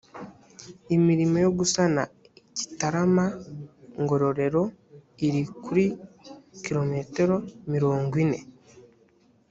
imilimo yo gusana gitarama ngororeroiri kuri km mirongo ine